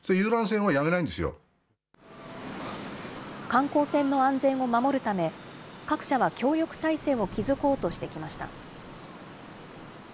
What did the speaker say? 観光船の安全を守るため、各社は協力体制を築こうとしてきました。